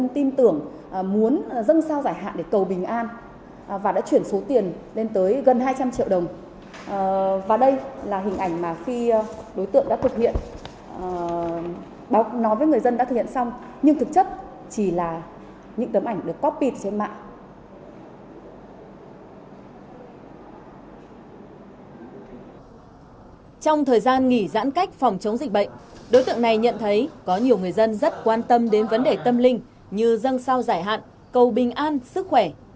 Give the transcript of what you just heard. trong thời gian nghỉ giãn cách phòng chống dịch bệnh đối tượng này nhận thấy có nhiều người dân rất quan tâm đến vấn đề tâm linh như dân sao giải hạn cầu bình an sức khỏe